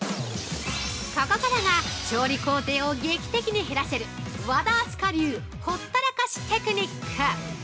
◆ここからは調理工程を劇的に減らせる和田明日香流ほったらかしテクニック。